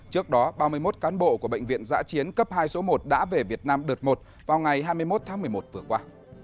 trước đó ba mươi một cán bộ của bệnh viện giã chiến cấp hai số một đã về việt nam đợt một vào ngày hai mươi một tháng một mươi một vừa qua